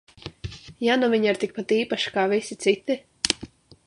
Ja nu viņa ir tikpat īpaša kā visi citi?